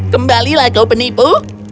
kembalilah kau penipu